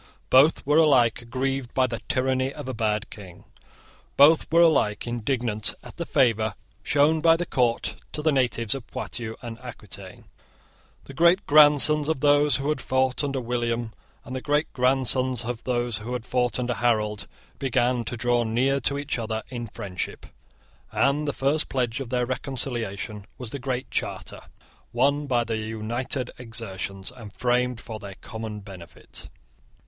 Both were alike aggrieved by the tyranny of a bad king. Both were alike indignant at the favour shown by the court to the natives of Poitou and Aquitaine. The great grandsons of those who had fought under William and the great grandsons of those who had fought under Harold began to draw near to each other in friendship; and the first pledge of their reconciliation was the Great Charter, won by their united exertions, and framed for their common benefit.